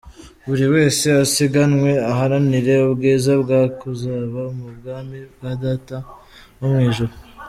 Buri wese asiganwe aharanire ubwiza bwo kuzaba mu bwami bwa Data wo mu ijuru.